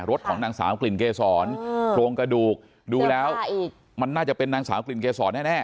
ของนางสาวกลิ่นเกษรโครงกระดูกดูแล้วมันน่าจะเป็นนางสาวกลิ่นเกษรแน่